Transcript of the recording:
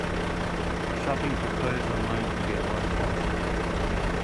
Shopping for clothes online can be a hard task.